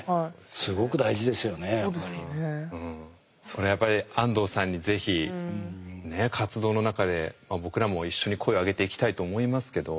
それはやっぱり安藤さんにぜひ活動の中で僕らも一緒に声を上げていきたいと思いますけど。